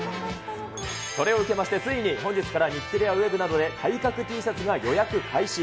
それを受けまして、ついに本日から日テレ屋ｗｅｂなどで体格Ｔシャツなどが予約開始。